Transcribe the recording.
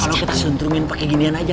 kalau kita sentrumin pake ginian aja